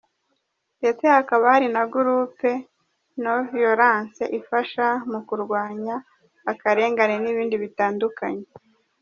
Ndetse hakaba hari na Groupe no violence ifasha mu kurwanya akarengane n’ibindi bitandukanye.